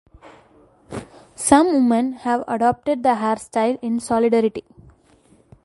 Some women have adopted the hair style in solidarity.